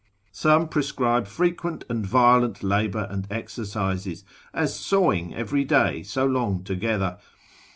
Some prescribe frequent and violent labour and exercises, as sawing every day so long together (epid.